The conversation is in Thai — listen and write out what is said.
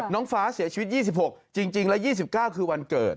น้องฟ้าเสียชีวิต๒๖จริงแล้ว๒๙คือวันเกิด